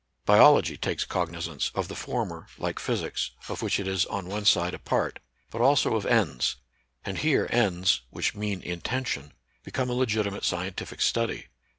Biology takes cognizance of the former, like physics, of which it is on one side a part, but also of ends ; and here ends (which mean intention) become a legitimate scientific study.